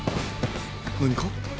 何か？